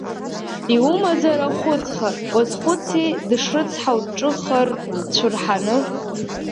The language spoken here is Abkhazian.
Иумазар ахәыцха, уазхәыци дышрыцҳау, дҿыхар дцәырҳаны…